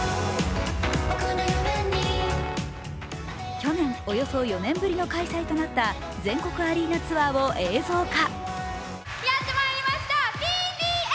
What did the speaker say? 去年、およそ４年ぶりの開催となった全国アリーナツアーを映像化。